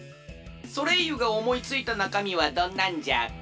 ソレイユがおもいついたなかみはどんなんじゃ？